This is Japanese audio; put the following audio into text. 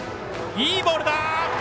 いいボールだ！